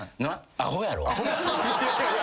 アホやろ？